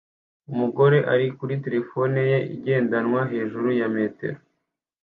Umugore ari kuri terefone ye igendanwa hejuru ya metero